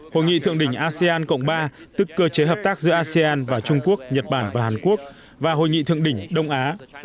hội nghị thượng đỉnh asean cộng ba tức cơ chế hợp tác giữa asean và trung quốc nhật bản và hàn quốc và hội nghị thượng đỉnh đông á